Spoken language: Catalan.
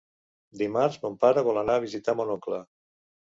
Dimarts mon pare vol anar a visitar mon oncle.